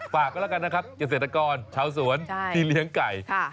ฝากกันแล้วกันนะครับเกษตรกรชาวสวนที่เลี้ยงไก่